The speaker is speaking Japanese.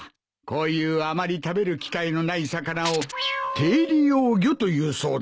こういうあまり食べる機会のない魚を「低利用魚」というそうだ。